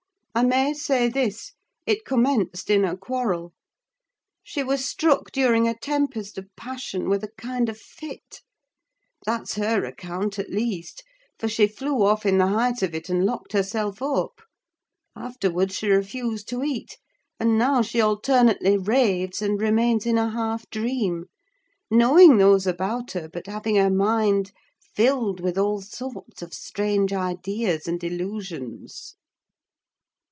I may say this; it commenced in a quarrel. She was struck during a tempest of passion with a kind of fit. That's her account, at least: for she flew off in the height of it, and locked herself up. Afterwards, she refused to eat, and now she alternately raves and remains in a half dream; knowing those about her, but having her mind filled with all sorts of strange ideas and illusions."